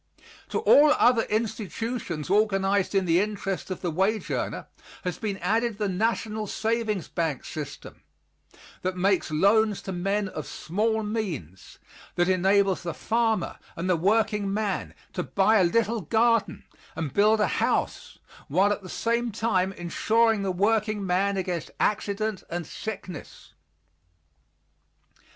To all other institutions organized in the interest of the wage earner has been added the national savings bank system, that makes loans to men of small means, that enables the farmer and the working man to buy a little garden and build a house, while at the same time insuring the working man against accident and sickness.